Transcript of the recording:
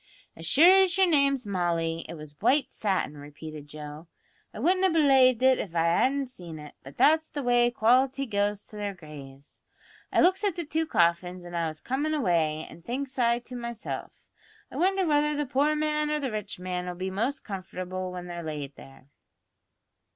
"As sure as your name's Molly, it was white satin," repeated Joe; "I wouldn't have belaived it av I hadn't seen it; but that's the way the quality goes to their graves. I looks at the two coffins as I was comin' away, an' thinks I to myself, I wonder whether the poor man or the rich man'll be most comfortable when they're laid there?"